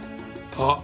あっ。